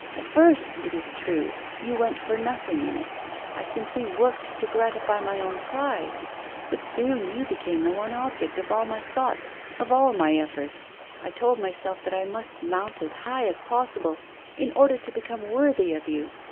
At first, it is true, you went for. nothing in it ; I simply worked to gratify my own pride. But soon you became the one object of all my thoughts, of all my efforts. I told myself that I must mount as high as possible, in order* to become worthy of you.